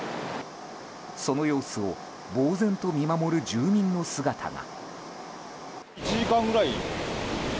その様子をぼうぜんと見守る住民の姿が。